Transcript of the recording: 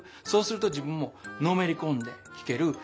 そうすると自分ものめりこんで聞ける。